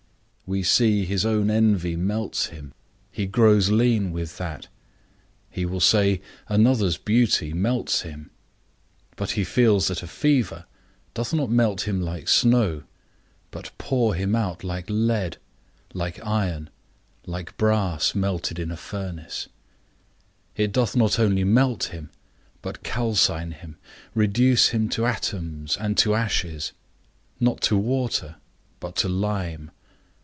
We see his own envy melts him, he grows lean with that; he will say, another's beauty melts him; but he feels that a fever doth not melt him like snow, but pour him out like lead, like iron, like brass melted in a furnace; it doth not only melt him, but calcine him, reduce him to atoms, and to ashes; not to water, but to lime.